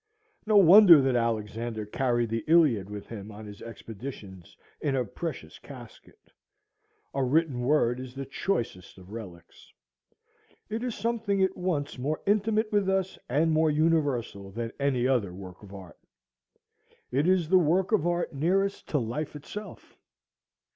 No wonder that Alexander carried the Iliad with him on his expeditions in a precious casket. A written word is the choicest of relics. It is something at once more intimate with us and more universal than any other work of art. It is the work of art nearest to life itself.